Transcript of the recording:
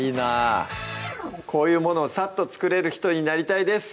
こういうものをさっと作れる人になりたいです